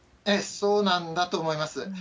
そうなんだと思います。